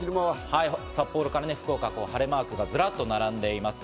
札幌から福岡、晴れマークがずらっと並んでいます。